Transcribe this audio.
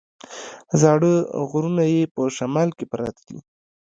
زاړه غرونه یې په شمال کې پراته دي.